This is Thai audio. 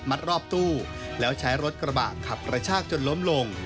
รอบตู้แล้วใช้รถกระบะขับกระชากจนล้มลง